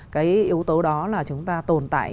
cái yếu tố đó là chúng ta tồn tại